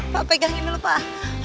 pak pegangin dulu pak